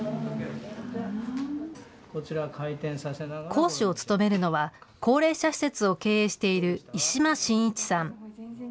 講師を務めるのは、高齢者施設を経営している石間信一さん。